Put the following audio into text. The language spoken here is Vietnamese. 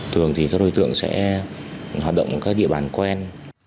thường thì các đối tượng sẽ hoạt động các địa bản quen